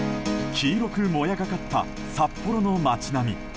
黄色く、もやがかった札幌の街並み。